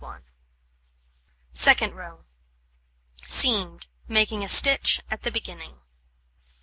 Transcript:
Second row: Seamed, making a stitch at the beginning.